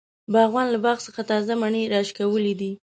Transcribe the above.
باغوان له باغ څخه تازه مڼی راشکولی دی.